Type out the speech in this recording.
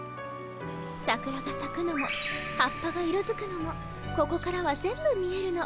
さくらがさくのも葉っぱが色づくのもここからは全部見えるの。